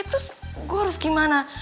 terus gue harus gimana